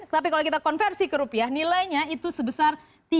tapi kalau kita konversi ke rupiah nilainya itu sebesar tiga lima puluh satu